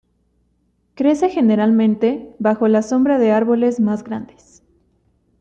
Crece generalmente bajo la sombra de árboles más grandes.